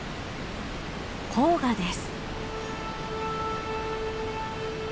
黄河です。